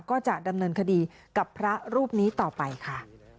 ก็จะดำเนินคดีกับพระรูปนี้ต่อไปค่ะ